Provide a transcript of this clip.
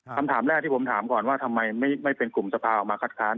คำถามแรกที่ผมถามก่อนว่าทำไมไม่เป็นกลุ่มสภาออกมาคัดค้าน